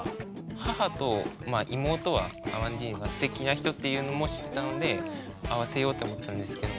母と妹はアマンディーヌがすてきな人っていうのも知ってたので会わせようって思ってたんですけど